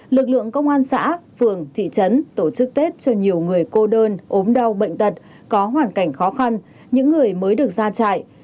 lực lượng công an xã phường thị trấn tổ chức tết cho nhiều người cô đơn ốm đau bệnh tật có hoàn cảnh khó khăn những người mới được ra trại